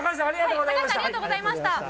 高橋さん、ありがとうございました。